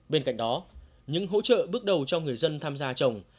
bên cạnh đó những hỗ trợ bước đầu cho người dân tham gia trồng